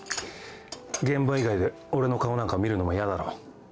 現場以外で俺の顔なんか見るのも嫌だろ。